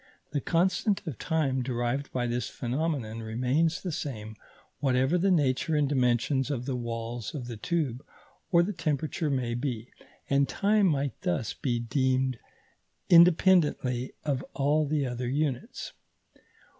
The constant of time derived by this phenomenon remains the same whatever the nature and dimensions of the walls of the tube or the temperature may be, and time might thus be denned independently of all the other units.